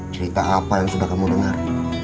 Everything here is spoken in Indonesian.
cerita apa yang sudah kamu dengar